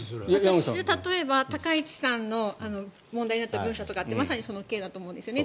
私は高市さんの問題になった文書とかまさにその件だと思うんですよね。